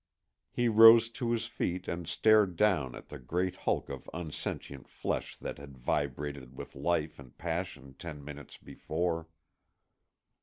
He rose to his feet and stared down at the great hulk of unsentient flesh that had vibrated with life and passion ten minutes before.